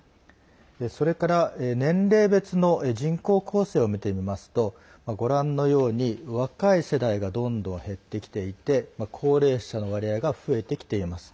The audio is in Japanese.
それから、年齢別の人口構成を見てみますと若い世代がどんどん減ってきていて高齢者の割合が増えてきています。